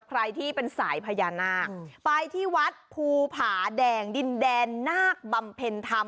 ใครที่เป็นสายพญานาคไปที่วัดภูผาแดงดินแดนนาคบำเพ็ญธรรม